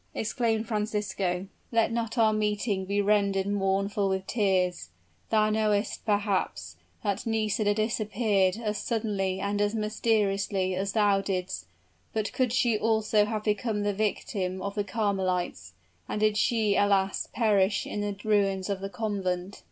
exclaimed Francisco. "Let not our meeting be rendered mournful with tears. Thou knowest, perhaps, that Nisida disappeared as suddenly and as mysteriously as thou didst; but could she also have become the victim of the Carmelites? And did she, alas! perish in the ruins of the convent?"